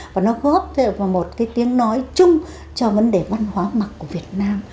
và nó góp vào một cái tiếng nói chung cho vấn đề văn hóa mặc của việt nam